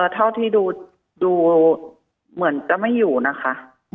เท่าที่ดูเหมือนจะไม่อยู่นะคะ